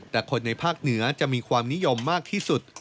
แต่คนในภาคเหนือจะมีความนิยมมากที่สุด